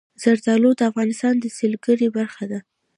زردالو د افغانستان د سیلګرۍ برخه ده.